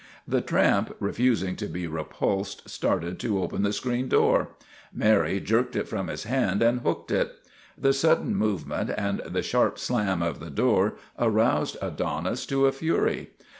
The tramp, refusing to be repulsed, started to open the screen door. Mary jerked it from his hand and hooked it. The sudden movement and the sharp slam of the door aroused Adonis to a fury.